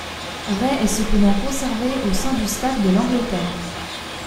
Ray est cependant conservé au sein du staff de l'Angleterre.